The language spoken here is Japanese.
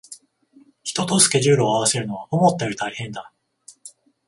人とスケジュールを合わせるのは思ったより大変だ